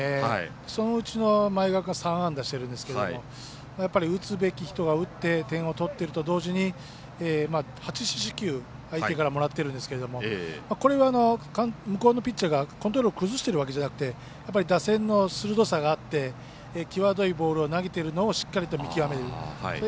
そのうちの前川が３安打してるんですけどやっぱり打つべき人が打って点を取ってると同時に８四死球相手からもらってるんですけどこれは向こうのピッチャーがコントロールを崩しているわけじゃなくて打線の鋭さがあって際どいボールを投げているのをしっかりと見極めているという。